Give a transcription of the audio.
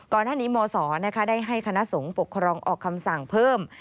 ก่อนหน้านี้มศได้ให้คณะสงฆ์ปกครองออกคำสั่งเพิ่ม